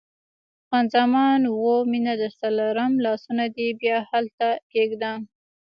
خان زمان: اوه، مینه درسره لرم، لاسونه دې بیا هلته کښېږده.